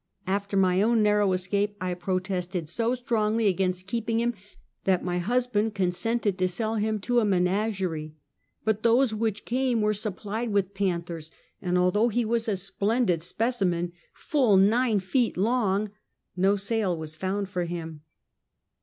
After my own narrow escape I protested so strongly against keeping him, that my husband consented to sell him to a me nagerie; but those which came were supplied with panthers, and, although he was a splendid specimen, full nine feet long, no sale was found for him.